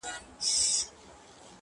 د انصاف په تله خپل او پردي واړه,